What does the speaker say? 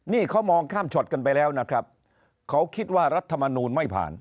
นี่เขามองข้ามช็อตกันไปแล้วนะครับเขาคิดว่ารัฐมนูลไม่ผ่าน